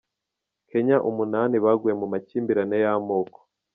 Kenya Umunani baguye mu makimbirane y’amoko